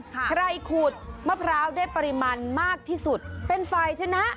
ใครหูดมะพร้าวได้ปริมันมากที่สุดเป็นไฟชนะ